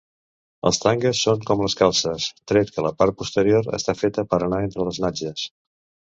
Els tangues són com les calces, tret que la part posterior està feta per anar entre les natges.